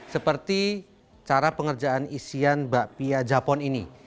seperti cara pengerjaan isian bakpia japon ini